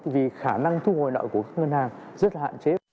vì khả năng thu hồi nợ của